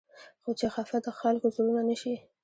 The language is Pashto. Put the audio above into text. خو چې خفه د خلقو زړونه نه شي